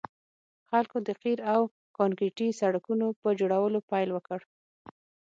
خلکو د قیر او کانکریټي سړکونو په جوړولو پیل وکړ